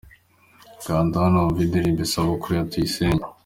Kanda hanowumve indirimbo Isabukuru ya Tuyisenge.